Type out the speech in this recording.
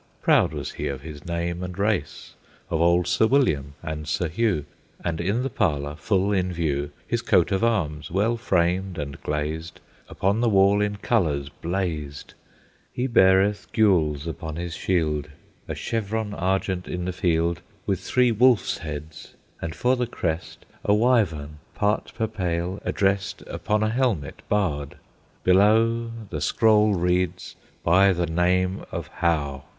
Proud was he of his name and race, Of old Sir William and Sir Hugh, And in the parlor, full in view, His coat of arms, well framed and glazed, Upon the wall in colors blazed; He beareth gules upon his shield, A chevron argent in the field, With three wolf's heads, and for the crest A Wyvern part per pale addressed Upon a helmet barred; below The scroll reads, "By the name of Howe."